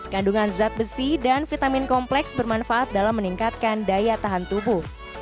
kandungan zat besi dan vitamin kompleks bermanfaat dalam meningkatkan daya tahan tubuh